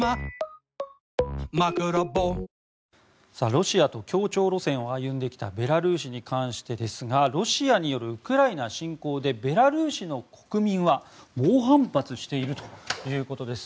ロシアと協調路線を歩んできたベラルーシに関してですがロシアによるウクライナ侵攻でベラルーシの国民は猛反発しているということです。